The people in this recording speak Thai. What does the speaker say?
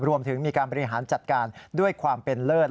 รวมถึงมีการบริหารจัดการด้วยความเป็นเลิศ